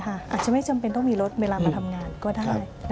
อาจจะไม่จำเป็นต้องมีรถเวลามาทำงานก็ได้